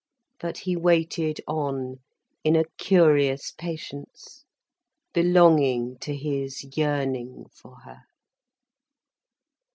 But he waited on, in a curious patience, belonging to his yearning for her.